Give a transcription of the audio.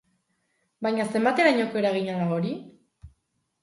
Baina zenbaterainoko eragina da hori?